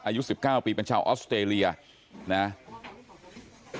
อายุ๑๙ปีเป็นชาวออสเตรเลียนะ